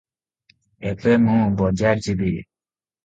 ଏବେ ମୁଁ ବଜାର ଯିବି